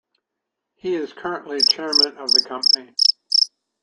He is currently chairman of the company.